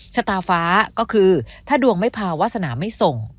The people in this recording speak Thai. ชะตาฟ้าก็คือถ้าดวงไม่พาวาสนาไม่ส่ง